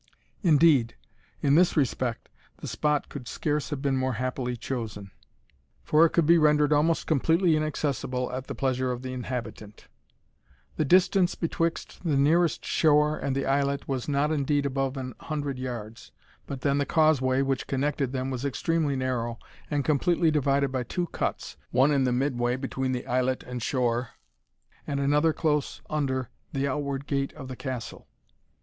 Indeed, in this respect, the spot could scarce have been more happily chosen, for it could be rendered almost completely inaccessible at the pleasure of the inhabitant. The distance betwixt the nearest shore and the islet was not indeed above an hundred yards; but then the causeway which connected them was extremely narrow, and completely divided by two cuts, one in the mid way between the islet and shore, and another close under the outward gate of the castle.